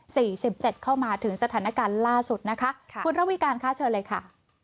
สิบเจ็ดเข้ามาถึงสถานการณ์ล่าสุดนะคะค่ะคุณระวิการค่ะเชิญเลยค่ะ